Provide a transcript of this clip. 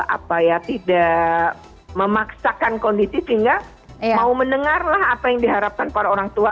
apa ya tidak memaksakan kondisi sehingga mau mendengarlah apa yang diharapkan para orang tua